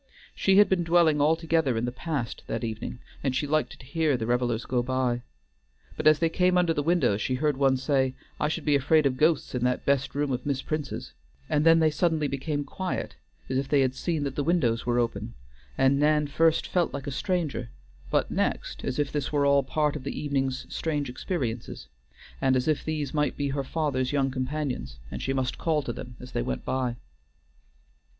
She had been dwelling altogether in the past that evening, and she liked to hear the revelers go by. But as they came under the windows she heard one say, "I should be afraid of ghosts in that best room of Miss Prince's," and then they suddenly became quiet, as if they had seen that the windows were open, and Nan first felt like a stranger, but next as if this were all part of the evening's strange experiences, and as if these might be her father's young companions, and she must call to them as they went by.